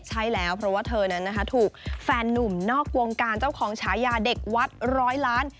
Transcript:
ใช่แล้วเพราะว่าเธอนั้นนะคะถูกแฟนหนุ่มนอกวงการเจ้าของฉายาเด็กวัดร้อยล้าน